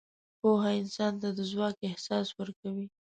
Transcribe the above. پوهه انسان ته د ځواک احساس ورکوي.